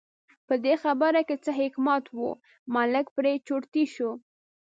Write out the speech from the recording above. په دې خبره کې څه حکمت و، ملک پرې چرتي شو.